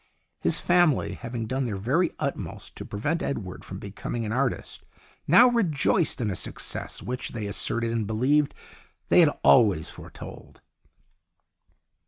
His family, having done their very utmost to prevent Edward from becoming an artist, now rejoiced in a success which, they asserted and believed, they had always foretold.